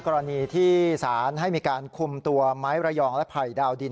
กรณีที่สารให้มีการคุมตัวไม้ระยองและไผ่ดาวดิน